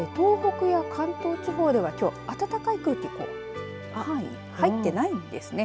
東北や関東地方ではきょう、暖かい空気範囲、入ってないんですね。